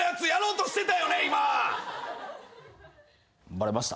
バレました？